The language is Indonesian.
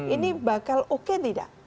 ini bakal oke tidak